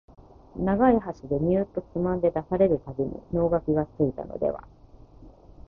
長い箸でニューッとつまんで出される度に能書がついたのでは、